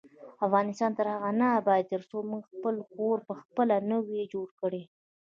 افغانستان تر هغو نه ابادیږي، ترڅو موږ خپل کور پخپله نه وي جوړ کړی.